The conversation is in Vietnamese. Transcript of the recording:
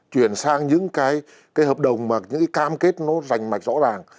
chuyển sang những cái hợp đồng mà những cái cam kết nó rành mạch rõ ràng